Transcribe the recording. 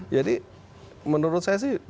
jadi menurut saya sih